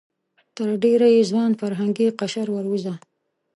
تر ډېره یې ځوان فرهنګي قشر وروزه.